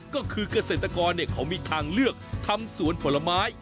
ก็คือเกษตรกรเขามีทางเลือกทำสวนผลไม้